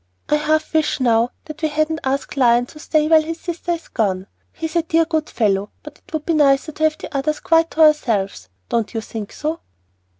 I half wish now that we hadn't asked Lion to stay while his sister is gone. He's a dear good fellow, but it would be nicer to have the others quite to ourselves, don't you think so?"